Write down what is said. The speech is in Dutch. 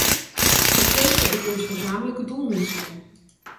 Ik denk dat dit ons gezamenlijke doel moet zijn.